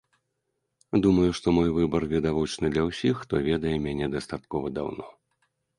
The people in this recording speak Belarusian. Думаю, што мой выбар відавочны для ўсіх, хто ведае мяне дастаткова даўно.